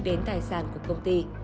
đến tài sản của công ty